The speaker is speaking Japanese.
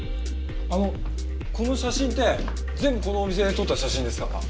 あのこの写真って全部このお店で撮った写真ですか？